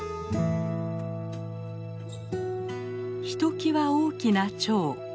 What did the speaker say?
ひときわ大きな蝶。